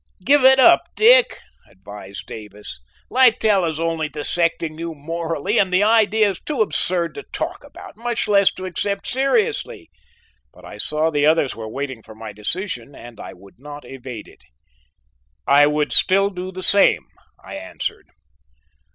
"Give it up, Dick," advised Davis; "Littell is only dissecting you morally, and the idea is too absurd to talk about, much less to accept seriously"; but I saw the others were waiting for my decision, and I would not evade it. "I would still do the same," I answered.